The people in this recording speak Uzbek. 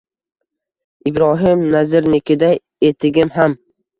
Ibrohim Nazirnikida etigim ham.